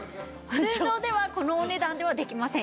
通常ではこのお値段ではできません。